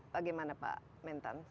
bagaimana pak mentan